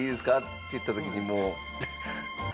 って言った時にもう。